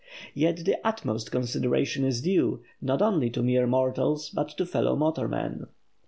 Yet the utmost consideration is due, not only to mere mortals but to fellow "motormen."